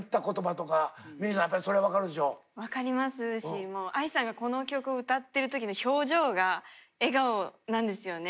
分かりますしＡＩさんがこの曲を歌ってる時の表情が笑顔なんですよね。